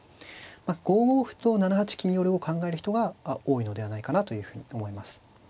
まあ５五歩と７八金寄を考える人が多いのではないかなというふうに思います。